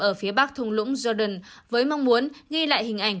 ở phía bắc thung lũng jordan với mong muốn ghi lại hình ảnh